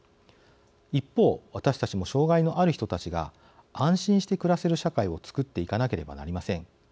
一方、私たちも障害のある人たちが安心して暮らせる社会を作っていかなければなりません。